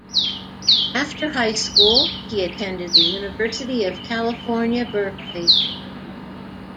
After high school, he attended the University of California, Berkeley.